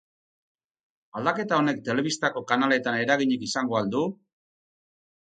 Aldaketa honek telebistako kanaletan eraginik izango al du?